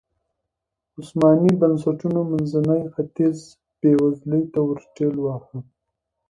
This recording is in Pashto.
عثماني بنسټونو منځنی ختیځ بېوزلۍ ته ورټېل واهه.